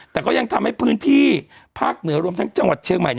แต่ก็ยังทำให้พื้นที่ภาคเหนือรวมทั้งจังหวัดเชียงใหม่